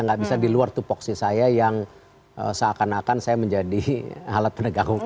gak bisa diluar tupoksi saya yang seakan akan saya menjadi alat penegak hukum